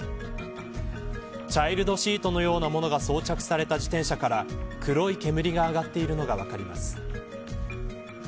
チャイルドシートのようなものが装着された自転車から黒い煙が上がっているのが分かります。